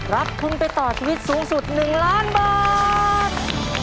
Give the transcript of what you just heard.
รับทุนไปต่อชีวิตสูงสุด๑ล้านบาท